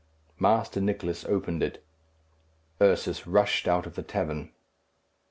Master Nicless opened it. Ursus rushed out of the tavern.